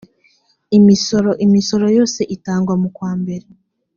imisoro imisoro yose itangwa mukwambere.